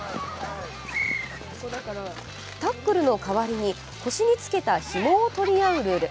タックルの代わりに腰につけたひもを取り合うルール。